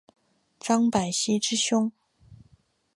张百熙之兄。